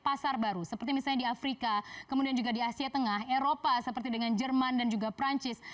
pasar baru seperti misalnya di afrika kemudian juga di asia tengah eropa seperti dengan jerman dan juga perancis